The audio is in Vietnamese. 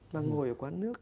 và ngồi ở quán nước